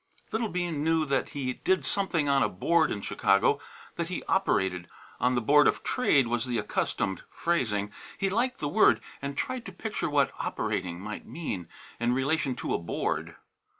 Little Bean knew that he did something on a board in Chicago; that he "operated" on the Board of Trade was the accustomed phrasing. He liked the word, and tried to picture what "operating" might mean in relation to a board.